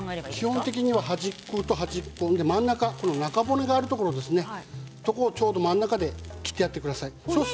基本的には端っこと端っこと真ん中中骨があるところちょうど真ん中で切ってください。